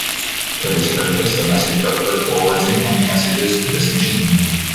For this purpose the Message Broker forwards incoming messages to this machine.